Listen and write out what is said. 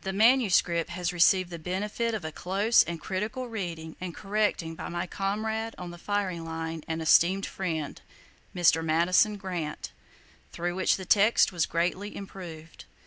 The manuscript has received the benefit of a close and critical reading and correcting by my comrade on the firing line and esteemed friend, Mr. Madison Grant, through which the text was greatly improved.